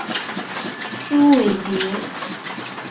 朱伟捷。